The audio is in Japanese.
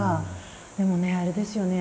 でもねあれですよね